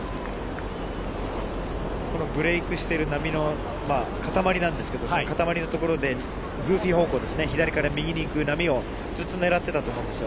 このブレークしている波の固まりなんですけれども、固まりの所でグーフィー方向ですね、左から右に行く波をずっと狙ったと思うんですよ。